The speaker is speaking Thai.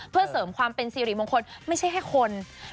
เพื่อเสริมความเป็นสิริมงคลไม่ใช่แค่คน